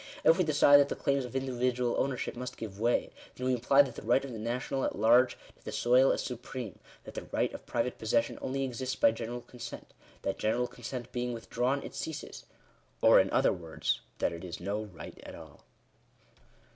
If we decide that the claims of ; individual ownership must give way, then we imply that the ! right of the nation at large to the soil is supreme — that the right of private possession only exists by general consent — that i general consent being withdrawn it ceases — or, in other words, J that it is no right at all.